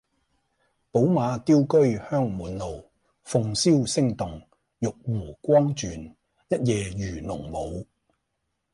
寶馬雕車香滿路，鳳簫聲動，玉壺光轉，一夜魚龍舞